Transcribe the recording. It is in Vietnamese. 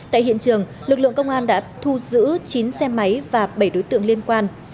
tại hiện trường lực lượng công an đã thu giữ chín xe máy và bảy đối tượng liên quan